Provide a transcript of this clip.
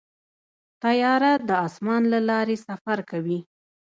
طیاره د اسمان له لارې سفر کوي.